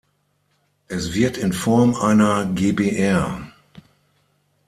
Es wird in Form einer GbR.